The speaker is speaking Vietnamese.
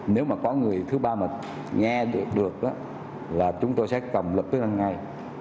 nếu mà có người thứ ba mà nghe được là chúng tôi sẽ cầm lập tức ăn ngay